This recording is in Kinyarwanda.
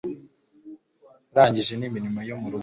Urangije n imirimo yo mu rugo